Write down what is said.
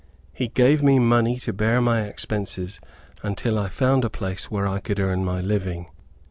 He gave me money to bear my expenses, until I found a place where I could earn my living.